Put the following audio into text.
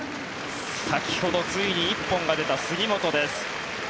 先ほどついに１本が出た杉本です。